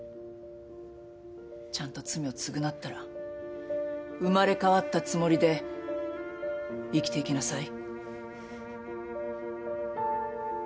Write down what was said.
ちゃんと罪を償ったら生まれ変わったつもりで生きていきなさい。